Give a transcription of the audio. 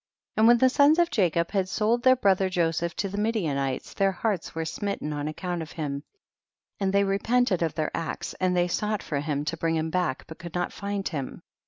And when the sons of Jacob had sold their brother Joseph to the Midianites, their hearts were smitten on account of him, and they repented of their acts, and they sought for him to bring him back, but could not find him.